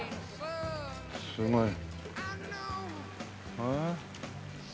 すごい。